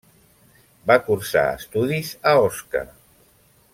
Va cursar estudis a Osca.